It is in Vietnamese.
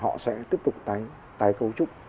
họ sẽ tiếp tục tái cấu trúc